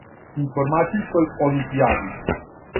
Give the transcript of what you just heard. Информатичкој олимпијади.